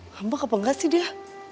hampa apa enggak sih dia